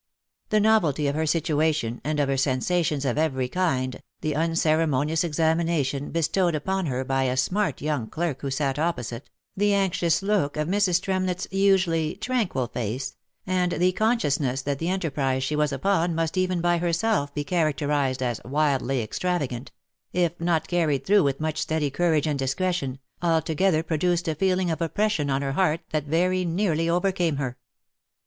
The novelty of her situation, and of her sensations of every kind, the unceremonious examination bestowed upon her by a smart young clerk who sat opposite, the anxious look of Mrs. Tremlett's usually tranquil face, and the consciousness that the enterprise she was upon must even by herself be characterized as wildly extravagant, if not carried through with much steady courage and discretion, altogether produced a feeling of oppression on her heart that very nearly overcame her.